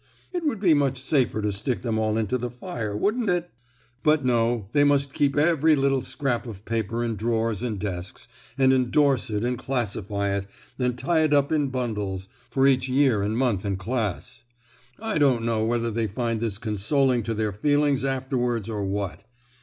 It would be much safer to stick them all into the fire, wouldn't it? But no, they must keep every little scrap of paper in drawers and desks, and endorse it and classify it, and tie it up in bundles, for each year and month and class! I don't know whether they find this consoling to their feelings afterwards, or what.